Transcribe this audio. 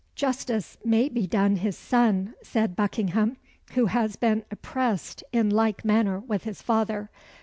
"Justice may be done his son," said Buckingham, "who has been oppressed in like manner with his father.